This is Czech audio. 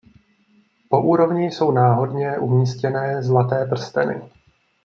Po úrovni jsou náhodně umístěné zlaté prsteny.